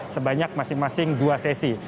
sebanyak masing masing dua sesi